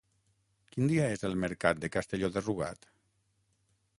Quin dia és el mercat de Castelló de Rugat?